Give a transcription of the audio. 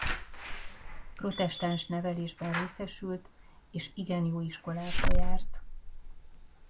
Protestáns nevelésben részesült és igen jó iskolákba járt.